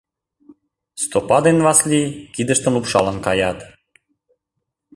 Стопан ден Васлий кидыштым лупшалын каят.